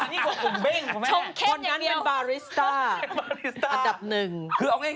นี่กว่าผมเบ้งผมแม่แหละคนนั้นเป็นบาริสต้าอันดับหนึ่งชมเข้นอย่างเดียว